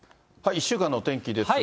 １週間のお天気ですが。